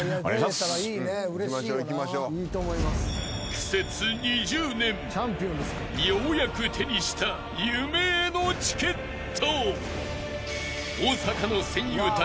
［苦節２０年ようやく手にした夢へのチケット］